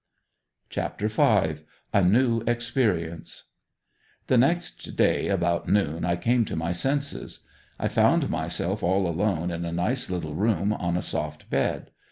CHAPTER V. A NEW EXPERIENCE. The next day about noon I came to my senses. I found myself all alone in a nice little room on a soft bed.